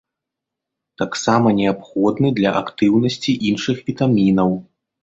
Таксама неабходны для актыўнасці іншых вітамінаў.